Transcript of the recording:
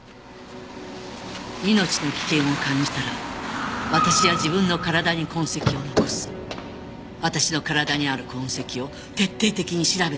「命の危険を感じたら私は自分の体に痕跡を残す」「私の体にある痕跡を徹底的に調べてほしい」